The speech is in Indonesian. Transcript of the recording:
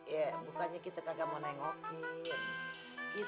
ya bukannya kita kagak mau nengokin